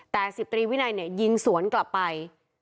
แต่๑๐ตรีวินัยเนี่ยยิงสวนกลับไป